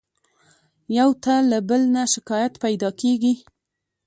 يو ته له بل نه شکايت پيدا کېږي.